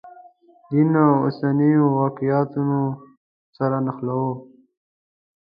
دین اوسنیو واقعیتونو سره نښلوو.